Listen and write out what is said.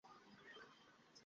আমরা তো এটা কোথাও খুঁজে পাইনি!